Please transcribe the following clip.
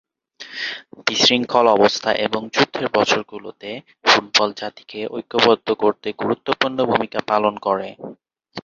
বিশৃঙ্খল অবস্থা এবং যুদ্ধের বছরগুলোতে ফুটবল জাতিকে ঐক্যবদ্ধ করতে গুরুত্বপূর্ণ ভূমিকা পালন করে।